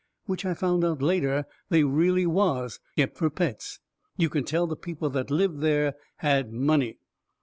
Which I found out later they really was, kept fur pets. You could tell the people that lived there had money.